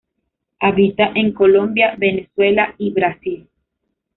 Habita en Colombia, Venezuela y Brasil.